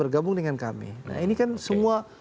bergabung dengan kami nah ini kan semua